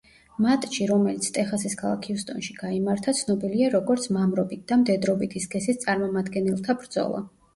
მატჩი, რომელიც ტეხასის ქალაქ ჰიუსტონში გაიმართა, ცნობილია როგორც მამრობით და მდედრობითი სქესის წარმომადგენელთა ბრძოლა.